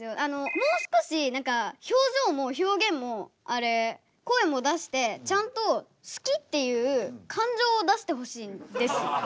もう少し表情も表現も声も出してちゃんと「好き」っていう感情を出してほしいんです。